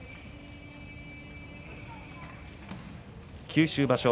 九州場所